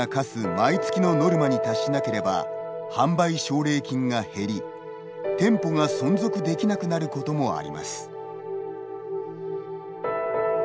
毎月のノルマに達しなければ販売奨励金が減り店舗が存続できなくなることもあります。